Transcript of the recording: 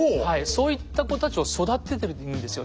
そういった子たちを育ててるんですよ。